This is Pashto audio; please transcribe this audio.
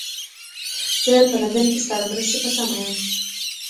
زه په لندن کې ستا د مرستې په تمه یم.